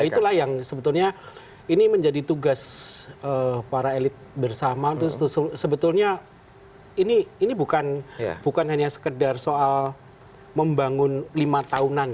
itulah yang sebetulnya ini menjadi tugas para elit bersama itu sebetulnya ini bukan hanya sekedar soal membangun lima tahunan